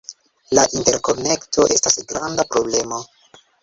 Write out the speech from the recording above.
La interkonekto estas granda problemo.